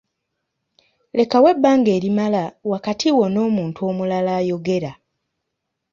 Lekawo ebbanga erimala wakati wo n’omuntu omulala ayogera.